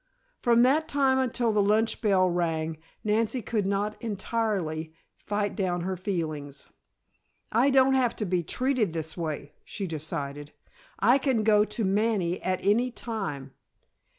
From that time until the lunch bell rang, Nancy could not entirely fight down her feelings. "I don't have to be treated this way," she decided, "I can go to Manny at any time.